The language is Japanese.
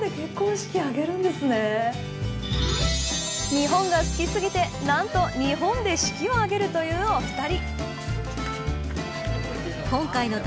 日本が好きすぎてなんと日本で式を挙げるという２人。